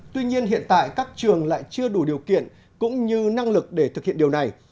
tuy nhiên hiện tại các trường lại chưa đủ điều kiện cũng như năng lực để thực hiện điều này